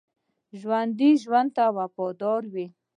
ژوندي ژوند ته وفادار وي